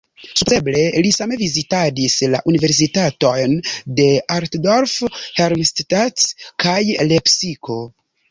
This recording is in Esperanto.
Supozeble li same vizitadis la Universitatojn de Altdorf, Helmstedt kaj Lepsiko.